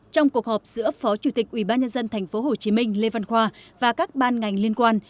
trong cuộc họp giữa phó chủ tịch ubnd tp hcm lê văn khoa và các ban ngành liên quan